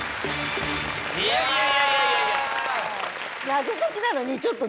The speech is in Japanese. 謎解きなのにちょっと。